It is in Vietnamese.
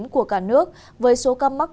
của cả nước với số ca mắc